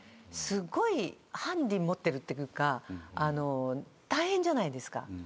すごいハンディ持ってるっていうか大変じゃないですか。